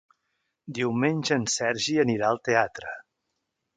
Diumenge en Sergi anirà al teatre.